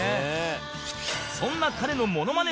そんな彼のモノマネ